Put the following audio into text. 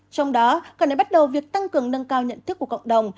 trong đó cần phải bắt đầu việc tăng cường nâng cao nhận thức của cộng đồng